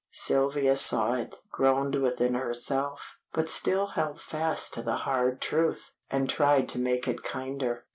Sylvia saw it, groaned within herself, but still held fast to the hard truth, and tried to make it kinder.